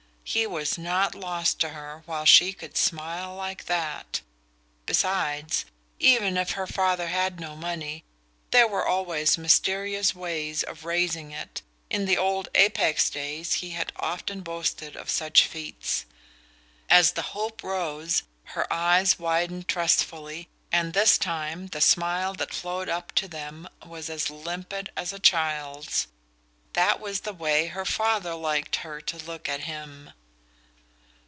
He was not lost to her while she could smile like that! Besides, even if her father had no money, there were always mysterious ways of "raising" it in the old Apex days he had often boasted of such feats. As the hope rose her eyes widened trustfully, and this time the smile that flowed up to them was as limpid as a child's. That was the was her father liked her to look at him...